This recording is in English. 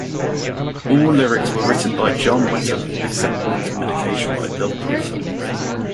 All lyrics were written by John Wetton, except "Mental Medication" by Bill Bruford.